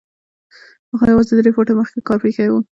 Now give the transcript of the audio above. هغه يوازې درې فوټه مخکې کار پرېښی و.